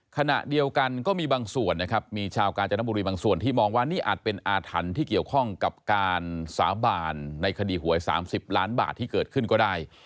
ขณะเดียวกันก็มีบางส่วนนะครับมีชาวกาญจนบุรีบางส่วนที่มองว่านี่อาจเป็นอาถรรพ์ที่เกี่ยวข้องกับการสาบานในคดีหวย๓๐ล้านบาทที่เกิดขึ้นก็ได้